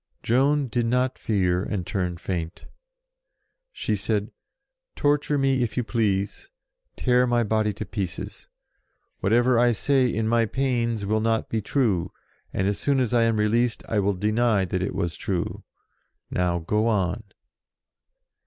Joan did not fear and turn faint. She said, "Torture me if you please. Tear my body to pieces. Whatever I say in my pains will not be true, and as soon as I am released I will deny that it was true. Now, go on